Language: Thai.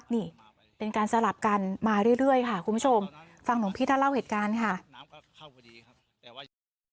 นี่เป็นการสลับกันมาเรื่อยค่ะคุณผู้ชมฟังหลวงพี่ท่านเล่าเหตุการณ์ค่ะ